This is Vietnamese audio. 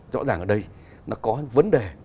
rõ ràng ở đây nó có vấn đề